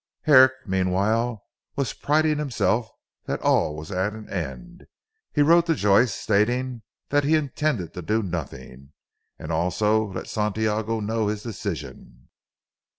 Herrick meanwhile was priding himself that all was at an end. He wrote to Joyce stating that he intended to do nothing, and also let Santiago know his decision.